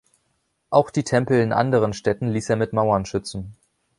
Auch die Tempel in anderen Städten ließ er mit Mauern schützen.